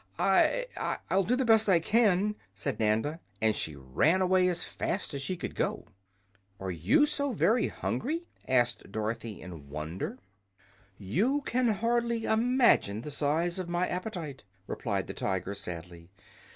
"I I'll do the best I can!" said Nanda, and she ran away as fast as she could go. "Are you so very hungry?" asked Dorothy, in wonder. "You can hardly imagine the size of my appetite," replied the Tiger, sadly.